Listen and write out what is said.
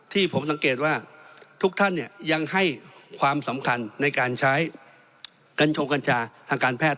ที่ผมสังเกตว่าทุกท่านยังให้ความสำคัญในการใช้กัญชงกัญชาทางการแพทย์